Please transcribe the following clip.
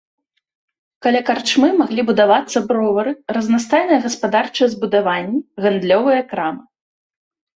Каля карчмы маглі будавацца бровары, разнастайныя гаспадарчыя збудаванні, гандлёвыя крамы.